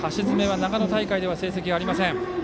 長野大会では成績がありません。